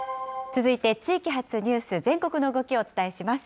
続いて地域発ニュース、全国の動きをお伝えします。